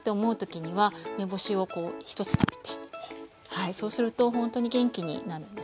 はいそうするとほんとに元気になるんですね。